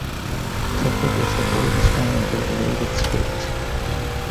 Kufic is the oldest form of the Arabic script.